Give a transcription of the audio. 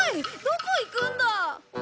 どこ行くんだ！